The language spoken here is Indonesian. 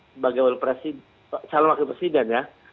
salam laki presiden ya